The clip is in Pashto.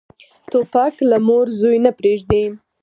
توپک له مور زوی نه پرېږدي.